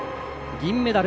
銀メダル